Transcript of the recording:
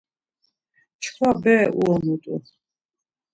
Çkva bere uonut̆u.